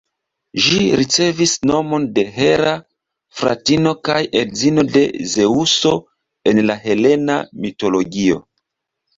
Ĝi ricevis nomon de Hera, fratino kaj edzino de Zeŭso en la helena mitologio.